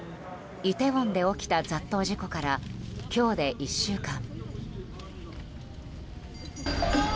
イテウォンで起きた雑踏事故から今日で１週間。